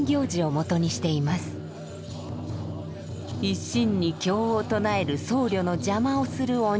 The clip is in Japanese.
一心に経を唱える僧侶の邪魔をする鬼。